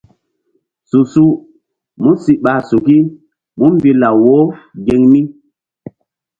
Su-su músi ɓa suki múmbi law wo geŋ mi.